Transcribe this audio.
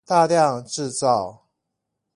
大量製造